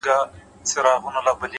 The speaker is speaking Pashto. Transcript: نظم د لویو لاسته راوړنو بنسټ دی’